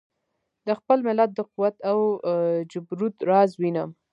د خپل ملت د قوت او جبروت راز وینم.